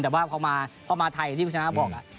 แต่พอมาไทยที่พุธชนะฮะบอก